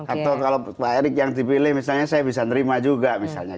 atau kalau pak erick yang dipilih misalnya saya bisa nerima juga misalnya